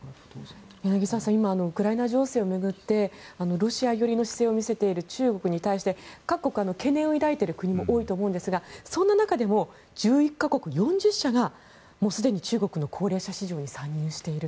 今ウクライナ情勢を巡ってロシア寄りの姿勢を見せている中国に対して各国は懸念を抱いている国も多いと思うんですがそんな中でも１１か国４０社がもうすでに中国の高齢者市場に参入していると。